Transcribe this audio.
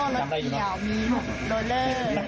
บูรค่าความเสียหายเป็น๕แสนบาทได้อะค่ะ